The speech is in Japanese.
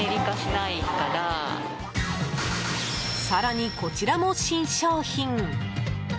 更に、こちらも新商品。